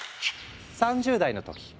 ３０代の時。